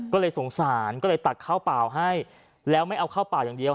ก็เลยสงสารก็เลยตักข้าวเปล่าให้แล้วไม่เอาเข้าป่าอย่างเดียว